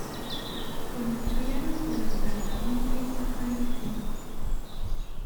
Ur ntettu ara ad d-nebder daɣen Kaysa Xalifi.